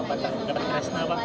bapak baca suatu keresna pak